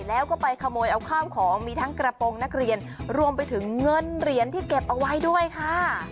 แล้วก็ไปขโมยเอาข้าวของมีทั้งกระโปรงนักเรียนรวมไปถึงเงินเหรียญที่เก็บเอาไว้ด้วยค่ะ